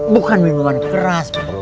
bukan minuman keras bro